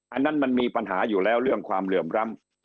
อันนั้นมันมีปัญหาอยู่แล้วเรื่องความเหลื่อมล้ำ